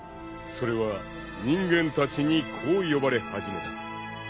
［それは人間たちにこう呼ばれ始めた］